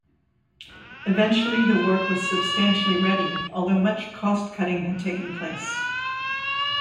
Eventually the work was substantially ready, although much cost-cutting had taken place.